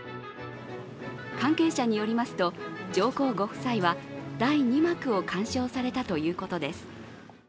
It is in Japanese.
関係者によりますと上皇ご夫妻は第２幕を鑑賞されたということです。